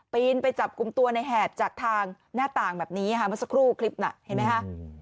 ไปจับกลุ่มตัวในแหบจากทางหน้าต่างแบบนี้ค่ะเมื่อสักครู่คลิปน่ะเห็นไหมคะ